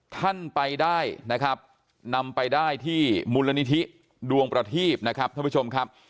ท่านไปได้นะครับนำไปได้ที่มูลนิธิดวงประทีบนะครับท่านผู้ชมครับ